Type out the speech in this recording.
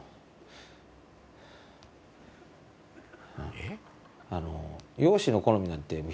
えっ？